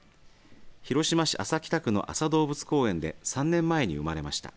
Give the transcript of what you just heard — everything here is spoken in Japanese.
広島市安佐北区の安佐動物公園で３年前に生まれました。